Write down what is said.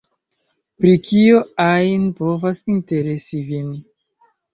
Pri kio ajn povas interesi vin.